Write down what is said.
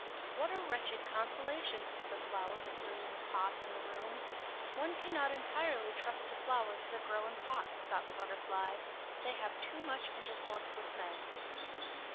"What a wretched consolation!" said the flower, that grew in the pot in the room. "One can not entirely trust to flowers that grow in pots," thought the butterfly, "they have too much intercourse with men."